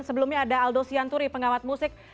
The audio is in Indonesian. sebelumnya ada aldo sianturi pengamat musik